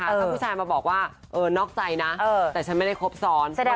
ถ้าผู้ชายมาบอกว่านอกใจนะแต่ฉันไม่ได้ครบซ้อน